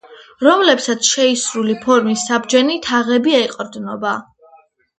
რომლებსაც შეისრული ფორმის საბჯენი თაღები ეყრდნობა.